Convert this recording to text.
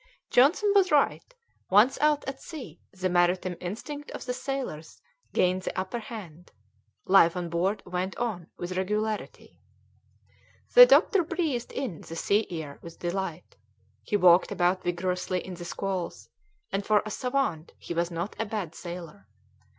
Johnson was right; once out at sea the maritime instinct of the sailors gained the upper hand. Life on board went on with regularity. The doctor breathed in the sea air with delight; he walked about vigorously in the squalls, and for a savant he was not a bad sailor.